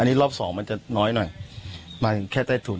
อันนี้รอบสองมันจะน้อยหน่อยมาถึงแค่ใต้ถุน